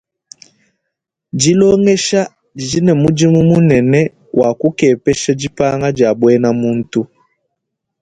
Dilongesha didi ne mudimu munene wa kukepesha dipanga dia buena muntu.